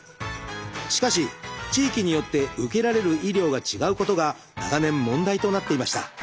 しかし地域によって受けられる医療が違うことが長年問題となっていました。